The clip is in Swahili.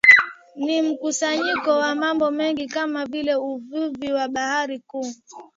Ni mkusanyiko wa mambo mengi kama vile uvuvi wa bahari kuu